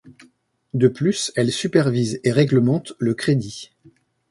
De plus, elle supervise et réglemente le crédit.